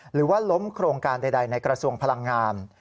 หรือว่าล้มโครงการใดในกระทรวงพลังงาน